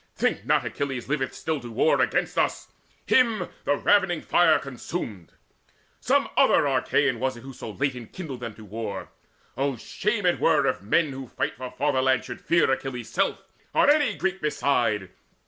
Think not Achilles liveth still to war Against us: him the ravening fire consumed. Some other Achaean was it who so late Enkindled them to war. Oh, shame it were If men who fight for fatherland should fear Achilles' self, or any Greek beside!